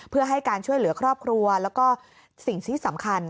เพื่อให้การช่วยเหลือครอบครัวแล้วก็สิ่งที่สำคัญ